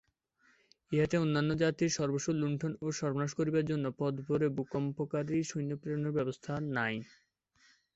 ইহাতে অন্যান্য জাতির সর্বস্ব লুণ্ঠন ও সর্বনাশ করিবার জন্য পদভরে ভূকম্পকারী সৈন্যপ্রেরণের ব্যবস্থা নাই।